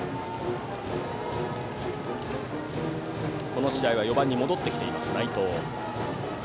この試合は４番に戻っている内藤。